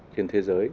trên thế giới